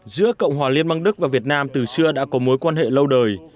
giữa cộng hòa liên bang đức và việt nam từ xưa đã có mối quan hệ lâu đời